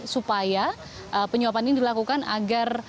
supaya penyuapan ini dilakukan agar